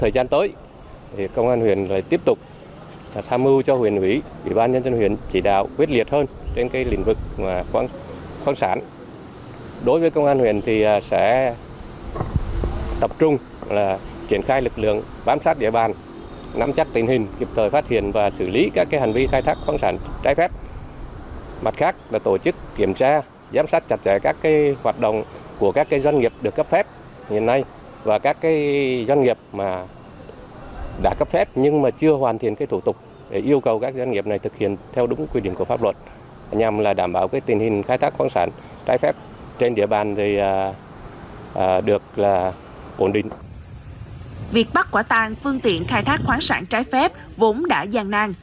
việc bắt quả tàn phương tiện khai thác khoáng sản trái phép vốn đã gian nang